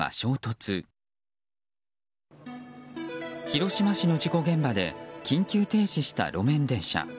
広島市の事故現場で緊急停止した路面電車。